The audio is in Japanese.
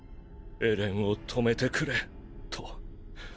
エレンを止めてくれと。